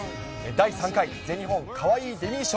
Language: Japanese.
第３回全日本かわいいデミー賞。